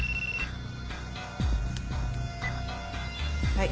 はい。